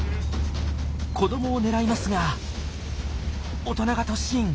子どもを狙いますが大人が突進！